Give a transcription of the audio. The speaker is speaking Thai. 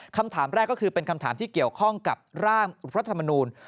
คำถามแรกก็คือเป็นคำถามที่เกี่ยวข้องกับร่างรัฐธรรมนูล